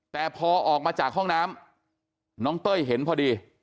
แต่พอออกมาจากห้องน้ำน้องเต้ยเห็นพอดี